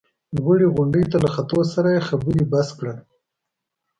لوړې غونډۍ ته له ختو سره یې خبرې بس کړل.